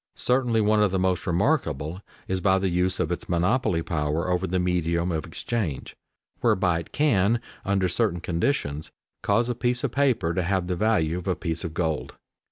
Certainly one of the most remarkable is by the use of its monopoly power over the medium of exchange, whereby it can, under certain conditions, cause a piece of paper to have the value of a piece of gold.